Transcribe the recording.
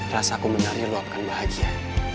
rasa ku menari luapkan bahagia